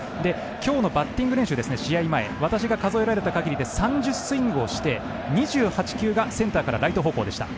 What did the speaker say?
今日のバッティング練習私が数えた限りで３０スイングをして２８球がセンターからライト方向でした。